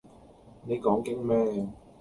你講經咩？